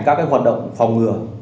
các hoạt động phòng ngừa